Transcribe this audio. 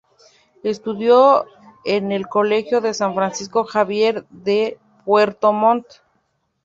Estudió en el Colegio San Francisco Javier de Puerto Montt.